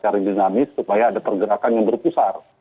jadi kita harus bergerak secara indonesia supaya ada pergerakan yang berpusar